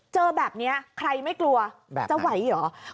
เจอแบบเนี้ยใครไม่กลัวแบบนั้นจะไหวหรอ